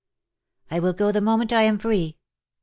" I will go the moment I am free.